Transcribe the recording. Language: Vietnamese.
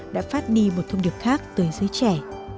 đã phát đi một thông điệp khác tới giới trẻ